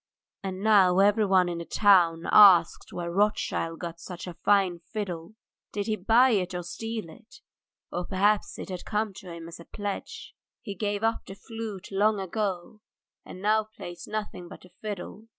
And now everyone in the town asks where Rothschild got such a fine fiddle. Did he buy it or steal it? Or perhaps it had come to him as a pledge. He gave up the flute long ago, and now plays nothing but the fiddle.